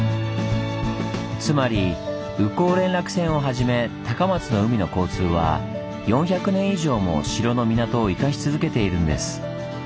つまり宇高連絡船をはじめ高松の海の交通は４００年以上も城の港を生かし続けているんです。